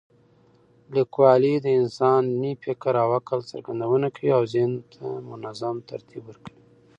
لیکوالی د انساني فکر او عقل څرګندونه کوي او ذهن ته منظم ترتیب ورکوي.